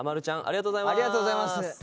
ちゃんありがとうございます。